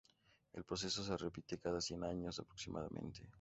El proceso se repite cada cien mil años aproximadamente.